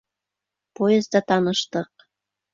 Поезда таныштыҡ.